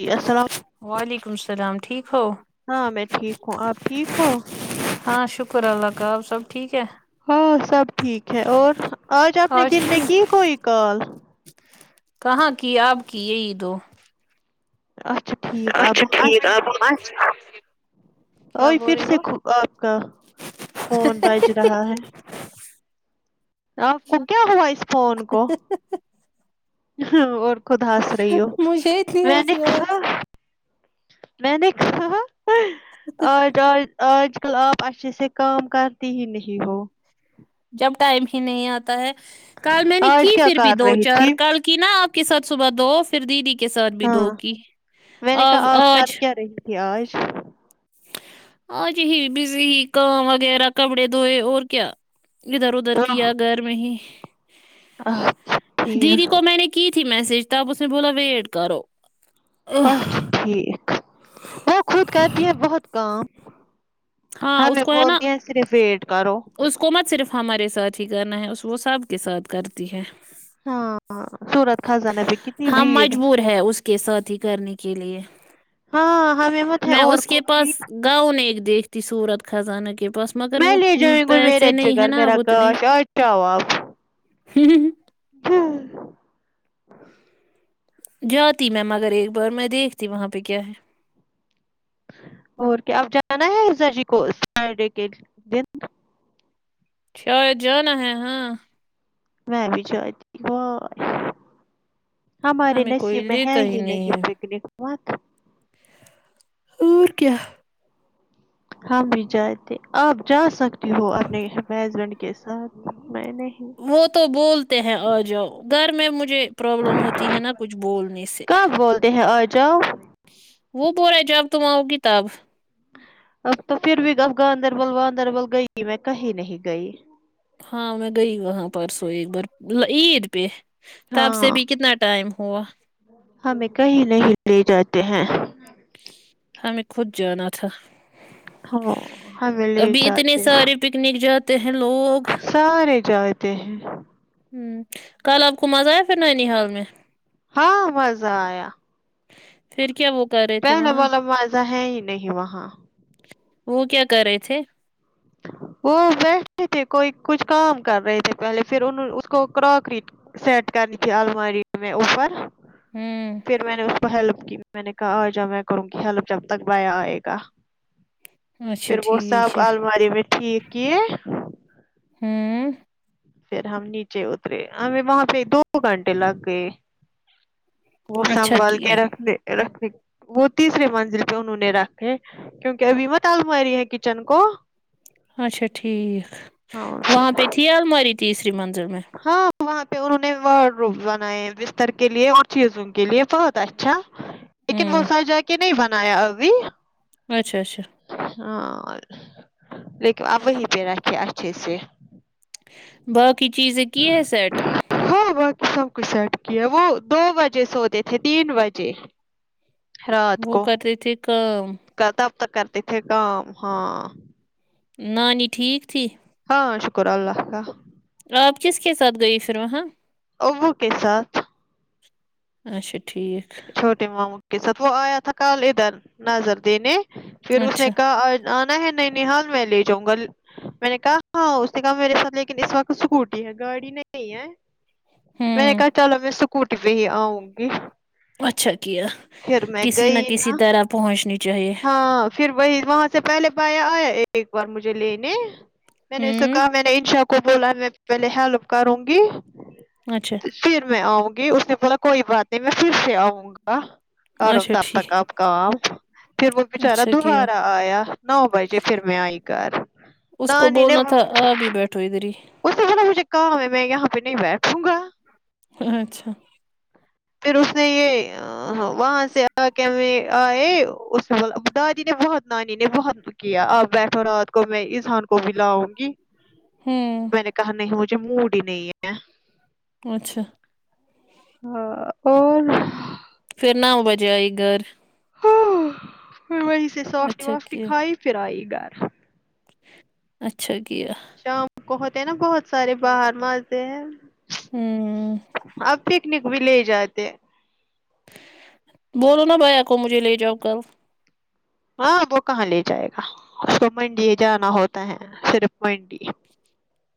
جی السلام وعلیکم السلام ٹھیک ہو ہاں میں ٹھیک ہوں آپ ٹھیک ہو ہاں شکر اللہ کا آپ سب ٹھیک ہے ہاں سب ٹھیک ہے اور آج اپنے دن میں کی کوئی کال کہاں کی آپ کی یہ عید ہو اچھا ٹھیک اب اچھا ٹھیک اچھا آبس ا پھر سے آپ کا فون بج رہا ہے آپ کو کیا ہوا اس فون کو [unintelligible] ہاں اور خود ہاس رہی ہو مجھے اتنی میں نے ہنسی آ کہا رہی میں نے کہا آج آج آج کل آپ اچھے سے کام کرتی ہی نہیں ہو جب ٹائم ہی نہیں آتا ہے کل میں نے آج کی کیا پھر بھی کر دو رہی چار تھی کال کی نا آپ کے ساتھ صبح دو پھر دیدی کے ساتھ بھی ہاں دو کی آ آج پیاز اج ہی بزی ہی کام وغیرہ کپڑے دھوئے اور کیا ادھر ادھر آہ، کیا گھر میں ہی اچھا دیدی ٹھیک کو میں نے کی تھی میسج تب اس نے بولا ویٹ کرو اچھا ٹھیک وہ خود کرتی ہے بہت کام ہاں اس میں کو ہے نا بولتی ہوں اسی لیے ویٹ کرو اس کو مت صرف ہمارے ساتھ ہی کرنا ہے اس وہ سب کے ساتھ کرتی ہے ہاں سورت خزانہ پہ کتنی ہماں بھیڑ مجبور ہے اس کے سات ہی کرنے کے لیے ہاں ہم مت ہے اور کوئی گاؤں نے ایک دیکھتی سورت خزانہ کے پاس مگر وہ م، جی کوئی میرے پیسے اچھا نہیں ہے گھر نا میں اب اتنے راکھ [unintelligible] جاتی می مگر ایک بار میں دیکھتی وہاں پہ کیا ہے اور کیا اب جانا ہےزا جی کو سرڈے کے دی شاید جانا ہے ہاں میں بھی جااتی بائے ہمارے ہمیں کوئی نصب میں ہے لیتا ہی ہے نہیں پگنک وات اور کیا ہم بھی جائے تھے آپ جا سکتی ہو اپنے ہزبینڈ کے ساتھ میں نے وہ تو بولتے ہیں آ جاؤ گھر میں مجھے پرابلم ہوتی ہے نا کچھ بولنے سے [inaudible] کب بولتے ہیں آ جاؤ وہ بول رہا ہے جب تم آؤگی تب اب تو پھر بھی اب گاندربل واندربل گئی میں کہیں نہیں گئی ہاں میں گئی وہاں پرسوں ایک بار عید پہ تب سے ہاں بھی کتنا ٹائم ہوا ہمیں کہیں نہیں لے جاتے ہیں ہمیں خود جانا تھا ہاوں ہمیں لے جاتے پگنک جاتے ہیں لوگ سارے جاتے ہیں ہوں کل آپ کو مزہ آیا پھر نینی حال میں ہاں مزہ آیا پھر کیا وہ کرے پہلے والا موزہ ہے ہی نہیں وہاں وہ کیا کر رہے تھے وہ ویسے تھے کوئی کچھ کام کر رہے تھے پہلے پھر ان اس کو کراکری سیٹ کرنی تھی الماری میں اوپر ہمم پھر میں نے ہیلپ کی میں نے کہا آجا میں کروں گی ہیلپ جب تک بائے آئے گا اچھا پھر وہ ٹھیک صاحب ہے الماری میں ٹھیک کیے ام پھر ہم نیچے اترے ہمیں وہاں پہ دو گھنٹے لگ گئے وہ اچھا سنبھال کیا کے رکھنے رکھنے وہ تیسرے منزل پہ انہوں نے رکھے کیونکہ ابھی مت آلماری ہے کچن کو اچھا ٹھیک ہاں وہاں پھر پ تھی الماری تیسری منزل میں ہاں وہاں پہ انہوں نے ورڈ روم بنائے بستر کے لیے اور چیزوں کے لیے بہت اچھا لیکن وہ ہمم سر جا کے نہیں بنایا ابھی اچھا اچھا ہاں لیکن اپ وہیں پہ رہتے اچھے سے باقی چیزیں کی ہے سیٹ ہو باقی سب کچھ سیٹ کیا وہ دو بجے سوتے تھے تین بجے وہ کرتے تے کام کتب تک کرتے تھے کام ہاں نانی ٹھیک تھی ہاں شکر اللہ کا آپ کس کے ساتھ گئی پھر وہاں امو کے سات اچھا ٹھیک چھوٹے ماموں کے ساتھ وہ آیا تھا کل ادھر نظر دینے پھر اس نے اچھا کہا آج آنا ہے نینی حال میں لے جاؤں گا میں نے کہا ہاں اس نے کہا میرے ساتھ لیکن اس وقت اسکوٹی ہے گاڑی نہیں ہے میں نے ہوں کہا چلو میں اسکوٹی پہ ہی آؤں گی اچھا کیا پھر میں کسی نہ گئی کسی نا طرح پہنچنی چاہیے ہاں پھر وہی وہاں سے پہلے پایا آیا ایک بار مجھے لینے میں نے اسے ہوں کہا میں نے انشاء کو بولا میں پہلے ہیلپ کروں گی اچھا پھر میں آؤں گی اس نے بولا کوئی بات نہیں میں پھر سے آؤں گا کرو اچھا تب ٹھیک تک آپ کام پھر وہ بچارا اچھا کیا دوبارہ آیا نو بجے پھر میں آئی گھر اس کو نانی نے بولنا تھا آب ہی بیٹھو ادھر ہی اس سے بہلا مجھے کام ہے میں یہاں پہ نہیں بیٹھوں گا اچھا پھر اس نے یہ ہاں وہاں سے آ کے ہم آئے اس دادی نے بہت نانی نے بہت کیا آپ بیٹھو رات کو میں ازہان کو بھی لاؤں گی ہوں میں نے کہا نہیں مجھے موڈ ہی نہیں ہے اچھا ہاں اور پھر نو بجے آئی گھر پھر وہیں سے سافٹی اچھا وافٹی کیا کھائی پھر آئی گھر اچھا کیا شام کو ہوتے ہیں نا بہت سارے باہر مزہ ہوں اب پکنک بھی لے جاتے بولو نا بھیا کو مجھے لے جاؤ کل ہاں وہ کہاں لے جائے گا اس کو منڈی جانا ہوتا ہے صرف منڈی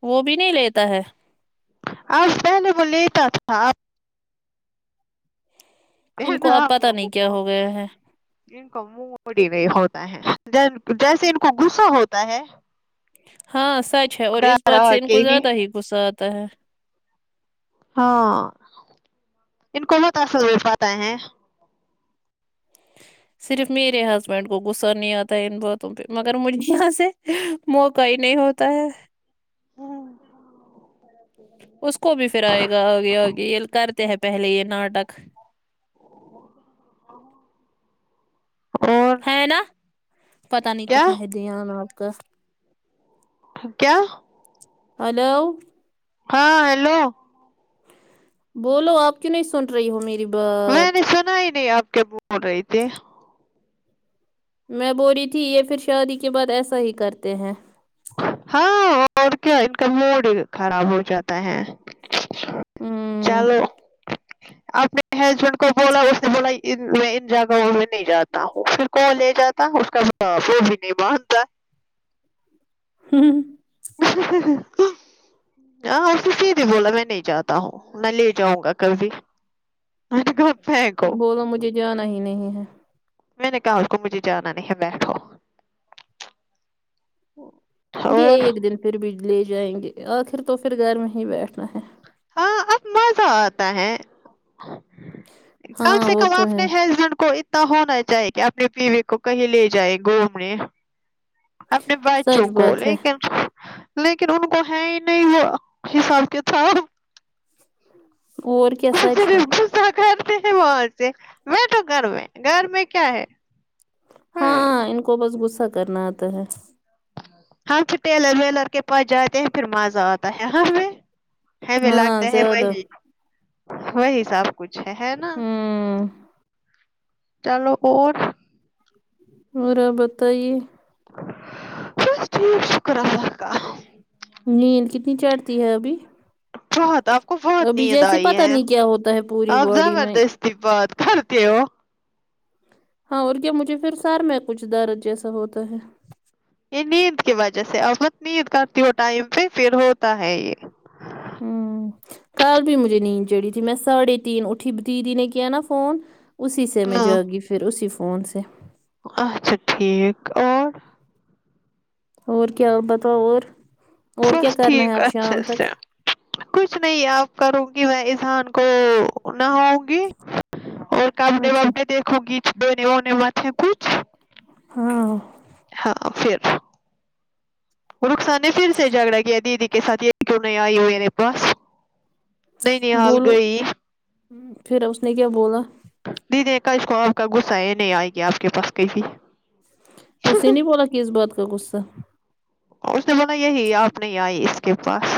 وہ بھی نہیں لیتا ہے آج پہلے وہ لیتا تھا آپ ان رہنا کو اب اپ پتہ لوگوں نہیں کیا کو ہو گیا ہے ان کو موڈ ہی نہیں ہوتا ہے جیسے ان کو غصہ ہوتا ہے ہاں سچ ہے اور اس گھر آ بات سے ان کے کو زیادہ ہی غصہ آتا ہے ہاں ان کو بہت اصل ہو پاتا ہیں صرف میرے ہسبینڈ کو غصہ نہیں آتا ان باتوں پہ مگر مجھے یہاں سے موقع ہی نہیں ہوتا ہے اس کو بھی پھر آئے گا آگے آگے یہ کرتے ہیں پہلے یہ ناٹک اور ہے نا پتا نہیں کھا کیا رہتے یہا وہا پے کیا ہلو ہاں ہیلو بولو اب کیوں نہیں سن رہی ہو میری میں بات نے سنا ہی نہیں آپ کے ب نوڈرتے [unintelligible] میں بو رہی تھی یہ پھر شادی کے بعد ایسا ہی کرتے ہیں ہاں اور کیا ان کا موڈ خراب ہو جاتا ہے ہوں چلو اپنے ہیسبینڈ کو بولا اس نے بولا میں ان جاگا ہوں میں نہیں جاتا ہوں پھر کون لے جاتا اسکا تو باپ وو بھی نہیں مانتا ہوں [unintelligible] ہاں اس س بھی بولا میں نہیں جاتا ہوں میں لے جاؤں گا کبھی گھر پونک بولو مجھے جانا ہی نہیں ہے میں نے کہا اس کو مجھے جانا نہیں ہے بیٹھو وہ یہ ایک دن پھر بھی لے جائیں گے آخر تو پھر گھر میں ہی بیٹھنا ہے ہاں اب مزہ آتا ہے کم ہاں سے وہ کم تو ہے اپنے ہسبینڈ کو ایک ہونا چاہیے کہ اپنے بیوی کو کہیں لے جائے گھومنے اپنے بچوں سچ کو بات لے ہے کر [inaudible] لیکن ان کو ہے ہی نہیں وہ حساب کے تھا اور کیا سچ ہے غصہ کرتے ہیں وہ اسے میں بٹھو گھر میں گھر میں کیا ہے ہاں ان کو بس غصہ کرنا آتا ہے ہاں پھر ٹیلر ویلر کے پاس جاتے ہیں پھر مزہ آتا ہے ہمیں ہمیں ہاں لگتے ہے زیادہ واہی وہی سب کچھ ہے ہے نا ہوں چلو اور اورا بتائیے بس ٹھیک شکر اللہ کا نیل کتنی چڑھتی ہے ابھی بہت آپ کو بہت ابھی نیند جیسے آئی پتا ہے نہیں کیا ہوتا ہے پوری آپ باڈی میں زبردست پھر بات کرتے ہو ہاں اور کیا مجھے پھر سار میں کچھ درد جیسا ہوتا ہے یہ نیند کی وجہ سے آپ بہت نیند کرتی ہو ٹائم پہ پھر ہوتا ہے یہ ہوں کل بھی مجھے نیند چڑھی تھی میں ساڑھے تین اٹھی دیدی نے کیا نا فون اسی سے میں ہاں جا گی پھر اسی فون سے اچھا ٹھیک اور اور کیا بتاو اور اور کیا بس کرنا ہے ٹھیک آب شام اچھے تک سے کچھ نہیں آپ کروں گی میں اسان کو نہاو نگی کپڑے اچھا بپڈے دھو گیچ بیننے مھے کچ [unintelligible] ہاں ہاں پھر رخسار نے پھر سے جھگڑا کیا دیدی کے ساتھ یہ کیوں نہیں آئی ہو میرے پاس نینیحال بولو گئی پھر اس نے کیا بولا د دیکھا اس کو آپ کا غصہ یہ نہیں آئے گیا آپ کے پاس کہیں بھی اسے نہیں بولا کس بات کا غصہ اور اس نے بولا یہی آپ نہیں آئی اس کے پاس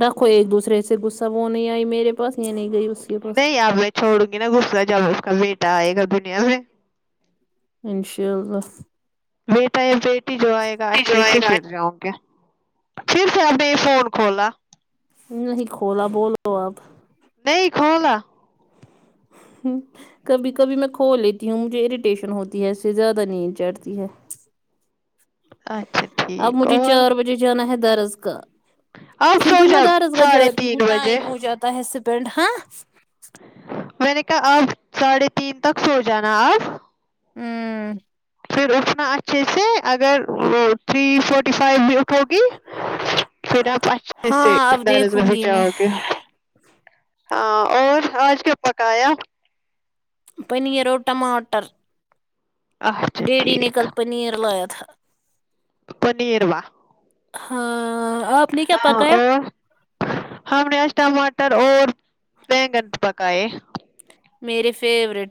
رکھو ایک دوسرے سے غصہ وہ نہیں آئی میرے پاس یہ نہیں گئی اس کے پاس نہیں اب میں چھوڑوں گی نا غصہ جب اس کا بیٹا آئے گا دنیا میں انشاء اللہ بیٹا بیٹی جو آئے گا اچھے جوائے سے گا پھر جاؤں گے پھر سے آپ نے یہ فون کھلاا نہیں کھولا بولو اپ نہیں کولا ہ کبھی کبھی میں کھو لی تی ہوں مجھے اریٹیشن ہوتی ہے اس سے زیادہ نیند چڑھتی ہے اچھا اب ٹھیک مجھے اور چار بجے جانا ہے درس گاہ آپ پھر سو بھی میں جاؤ درس گاہ ساڑھے جاتی ہوں تین بجے ٹائم ہو جاتا ہے اسپینڈ ہاں میں نے کہا آپ ساڑھے تین تک سو جانا اں ہوں پھر اٹھنا اچھے سے اگر وہ تھری فورٹی فائیو بھی اٹھوگی پھر آپ اچھے سے ہاں اب درس دیکھوں گاہ گی میں جاؤ گے ہاں اور آج کیا پکایا پنیر اور ٹماٹر اہ ڈیڈی نے کل پنیر لایا تھا پنیر وا ہاں اب ہاں اور ہم نے آج ٹماٹر اور بیگن پکائے میرے فیورٹ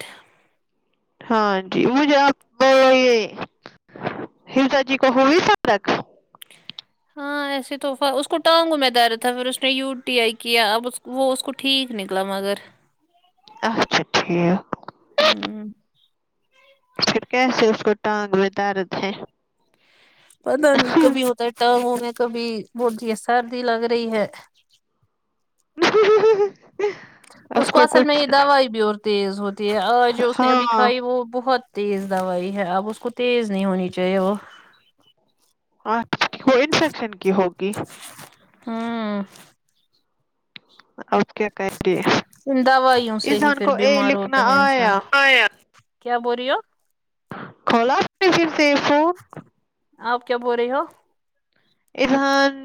ہاں جی مجھے آپ یہ حیجاجی کو ہو بھی سکتا کام ہاں ایسے تو ف اس کو ٹانگوں میں درد ہے پھر اس نے یو ٹی آئی کیا اب وہ اس کو ٹھیک نکلا مگر اچھا ٹھیک ہوں پھر کیسے اس کو ٹانگ میں درد ہے پتا نہیں کبھی ہوتا ہے ٹانگوں میں کبھی بولتی ہے سردی لگ رہی ہے ہ ہ ہ اس کو اصل میں یہ دوائی بھی اور تیز ہوتی ہے آج جو اس نے ابھی ہاں کھائی وہ بہت تیز دوائی ہے اب اس کو تیز نہیں ہونی چاہیے وہ اور وہ انفیکشن کی ہوگی ہاں اب کیا کرری دوائیوں سے ہی پھر بیمار ہوتا ہے انسان آیا کیا بول رہی ہو کلاٹی سے [unintelligible] آپ کیا بول رہی ہو اذہان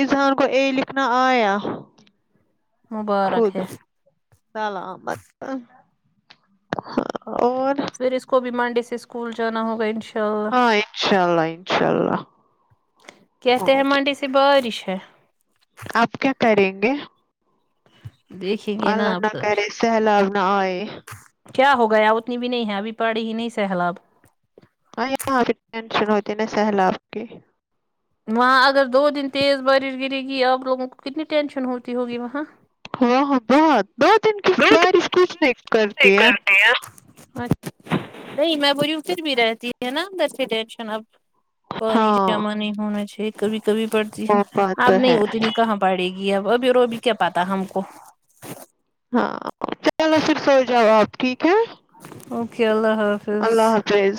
اذہان کو اے لکھنا آیا مبارک خود ہے سلامت اور پھر اس کو بھی منڈے سے اسکول جانا ہوگا انشا ہاں انشاء اللہ انشاء اللہ اتی بارش ہے آپ کیا کریں گے دیکھیں گے نا اللہ اب نہ تبھی کرے سیلاب نہ آئے کیا ہو گیا اتنی بھی نہیں ہے ابھی پڑی ہی نہیں سیلاب ہاں یہاں ٹینشن ہوتی نا سہلاب کی وہاں اگر دو دن تیز بارش گرے گی آپ لوگوں کو کتنی ٹینشن ہوتی ہوگی وہاں ہاں ہاں بہت دو دن کی بارش کچھ نہیں کرتی ہے [unintelligible] نہیں میں بول ریوں پھر بھی رہتی ہے نا گھر سے ٹینشن اب پانی ہاں جمع نہیں ہونا چاہیے کبھی کبھی پڑتی وہ ہے بات تو اب نہیں ہے اتنی کہاں پڑے گی اب ابھی رو بھی کے بتا ہم کو ہاں چلو پھر سو جاؤ آپ ٹھیک ہے اوکے اللہ حا اللہ حافظ